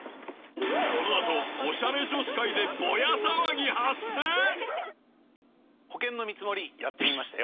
このあとおしゃれ女子会でぼや騒ぎ発生？